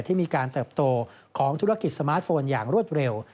ที่มีการเติบโตของธุรกิจสมาร์ทโฟนอย่างรวดเร็ว